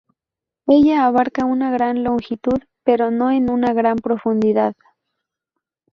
Ella abarca una gran longitud, pero no en una gran profundidad.